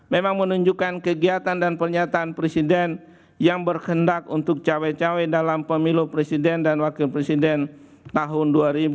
memang menunjukkan kegiatan dan pernyataan presiden yang berkendak untuk cawe cawe dalam pemilu presiden dan wakil presiden tahun dua ribu dua puluh